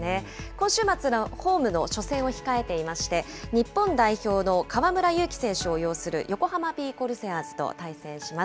今週末のホームの初戦を控えていまして、日本代表の河村勇輝選手を擁する横浜ビー・コルセアーズと対戦します。